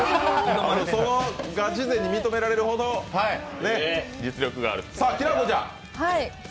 そのガチ勢に認められるほど実力があると。